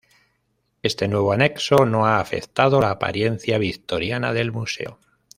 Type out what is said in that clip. Este nuevo anexo no ha afectado la apariencia victoriana del Museo.